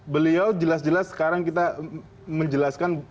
beliau jelas jelas sekarang kita menjelaskan